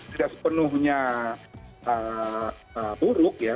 tidak sepenuhnya buruk ya